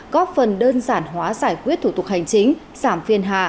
góp phần đơn giản hóa giải quyết thủ tục hành chính giảm phiên hà